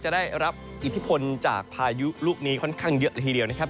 ได้รับอิทธิพลจากพายุลูกนี้ค่อนข้างเยอะละทีเดียวนะครับ